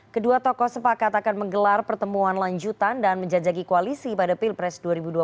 kedua tokoh sepakat akan menggelar pertemuan lanjutan dan menjajaki koalisi pada pilpres dua ribu dua puluh